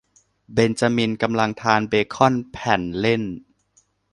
เบนจามินกำลังทานเบค่อนแผ่นเล่น